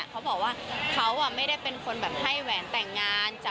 เขาบอกว่าเขาไม่ได้เป็นคนแบบให้แหวนแต่งงาน